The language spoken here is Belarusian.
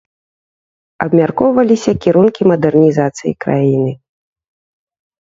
Абмяркоўваліся кірункі мадэрнізацыі краіны.